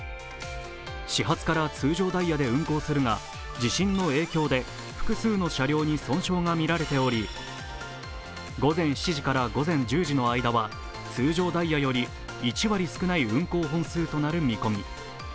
始発から通常ダイヤで運行するが地震の影響で複数の車両に損傷がみられており午前７時から午前１０時の間は通常ダイヤより１割少ない運行本数となる見込み。